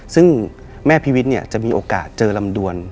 ซึ่งแม่พีวิทย์จะมีโอกาสเจอลำดวน